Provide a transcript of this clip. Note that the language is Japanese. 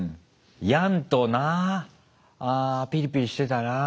ヤンとなピリピリしてたな。